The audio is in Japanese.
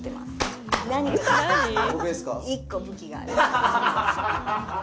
１個武器がある。